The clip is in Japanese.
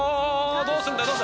どうするんだ？